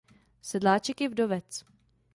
Sedláček je vdovec.